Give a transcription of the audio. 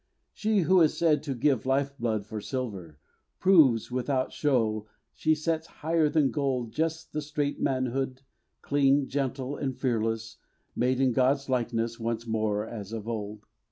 She who is said to give life blood for silver, Proves, without show, she sets higher than gold Just the straight manhood, clean, gentle, and fearless, Made in God's likeness once more as of old.